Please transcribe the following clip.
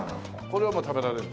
これはもう食べられる？